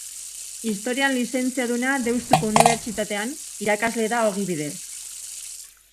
Historian lizentziaduna Deustuko Unibertsitatean, irakaslea da ogibidez.